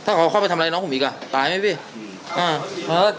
ถ้าเขาเข้าไปทำร้ายน้องผมอีกอ่ะตายไหมพี่